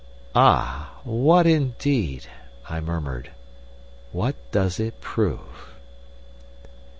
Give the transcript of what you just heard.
"Ah, what indeed?" I murmured. "What does it prove?"